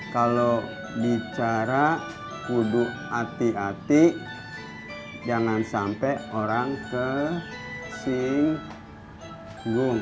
kalau bicara kuduk hati hati jangan sampai orang kesinggung